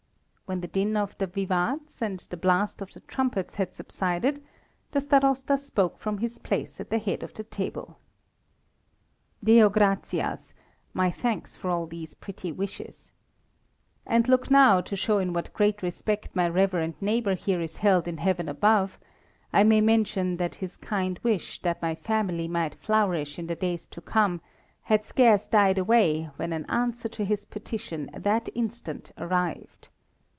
When the din of the vivats and the blast of the trumpets had subsided, the Starosta spoke from his place at the head of the table. "Deo Gratias, my thanks for all these pretty wishes. And look now, to show in what great respect my reverend neighbour here is held in heaven above, I may mention that his kind wish that my family might flourish in the days to come had scarce died away when an answer to his petition that instant arrived.